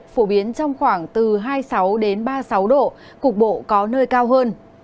phổ biến trong khoảng từ hai mươi sáu ba mươi sáu độ cục bộ có nơi cao hơn